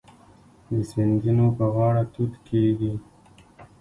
د سیندونو په غاړه توت کیږي.